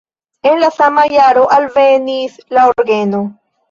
En la sama jaro alvenis la orgeno.